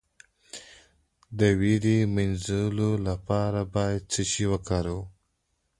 د ویرې د مینځلو لپاره باید څه شی وکاروم؟